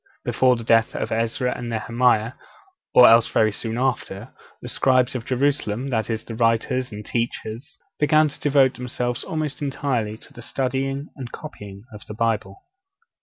Before the death of Ezra and Nehemiah, or else very soon after, the scribes of Jerusalem that is, the writers and teachers began to devote themselves almost entirely to the studying and copying of the Bible.